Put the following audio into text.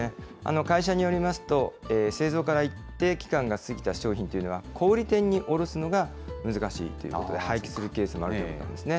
会社によりますと、製造から一定期間が過ぎた商品というのは、小売り店に卸すのが難しいということで、廃棄するケースもあるということなんですね。